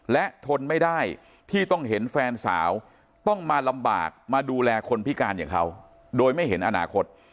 และทนไม่ได้ที่ต้องเห็นแฟนสาวต้องมาลำบากมาดูแลคนพิการอย่างเขาโดยไม่เห็นอนาคต